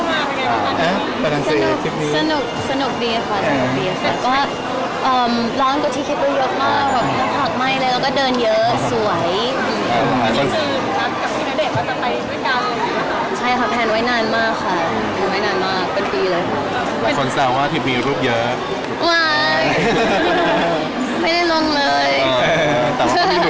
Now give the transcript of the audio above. หลังจีบค่ะของพี่เราต้องไปเที่ยวมาแล้วไงประมาณนี้